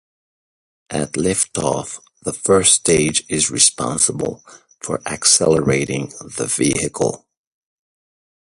At liftoff the first stage is responsible for accelerating the vehicle.